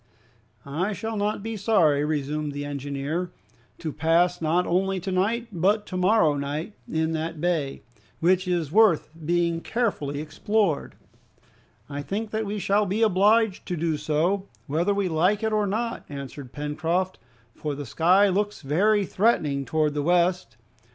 "I shall not be sorry," resumed the engineer, "to pass not only to night but to morrow in that bay, which is worth being carefully explored." "I think that we shall be obliged to do so, whether we like it or not," answered Pencroft, "for the sky looks very threatening towards the west.